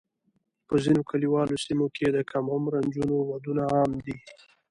په ځینو کلیوالي سیمو کې د کم عمره نجونو ودونه عام دي.